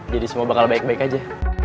jadi semua bakal baik baik aja